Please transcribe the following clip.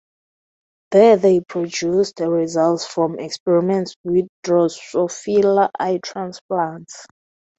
There they produced results from experiments with Drosophila eye transplants.